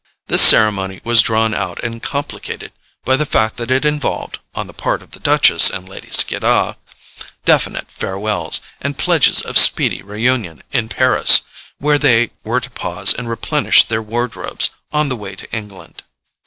This ceremony was drawn out and complicated by the fact that it involved, on the part of the Duchess and Lady Skiddaw, definite farewells, and pledges of speedy reunion in Paris, where they were to pause and replenish their wardrobes on the way to England.